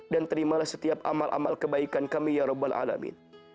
dan terimalah setiap amal amal kebaikan kami ya rabbul alamin